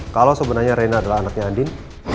kalau sebenarnya rena adalah anaknya andin